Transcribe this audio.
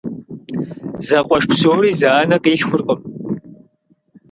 Зэкъуэш псори зы анэ къилъхуркъым.